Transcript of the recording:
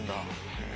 へえ。